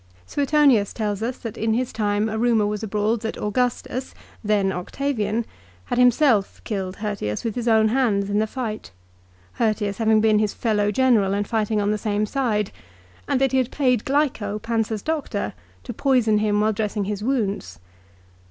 Suetonius tells us that in his time a rumour was abroad that Augustus, then Octavian, had himself killed Hirtius with his own hands in the fight, Hirtius having been his fellow general and fighting on the same side, and THE PHILIPPICS. 269 that lie had paid Glyco, Pansa's doctor, to poison him while dressing his wounds.